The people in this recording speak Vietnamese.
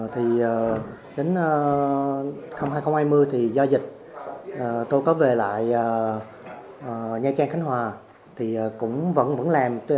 thì đến năm hai nghìn hai mươi thì do dịch tôi có về lại nha trang khánh hòa thì cũng vẫn làm